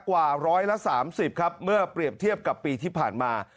กว่าร้อยละ๓๐ครับเมื่อเปรียบเทียบกับปีที่ผ่านมา